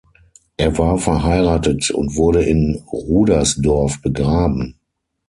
Er war verheiratet und wurde in Rudersdorf begraben.